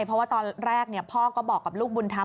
เพราะว่าตอนแรกพ่อก็บอกกับลูกบุญธรรม